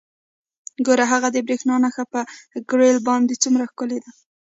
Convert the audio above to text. ګوره هغه د بریښنا نښه په ګریل باندې څومره ښکلې ده